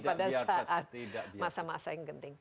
pada saat masa masa yang genting